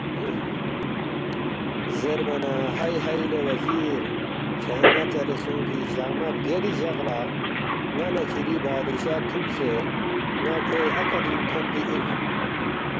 زیربا نہ ”ہئی ہئی لے وزیر کھیانگ ن٘ا ژَلے سونگفی جقمہ بگیادی جق لہ ن٘ا نہ کِھری بادشاہ تُھوکسے ن٘ا کھوے عقدِنگ تھونفی اِن